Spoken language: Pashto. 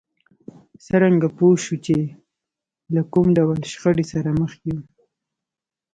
څرنګه پوه شو چې له کوم ډول شخړې سره مخ يو؟